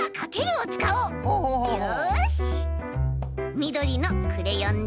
みどりのクレヨンで。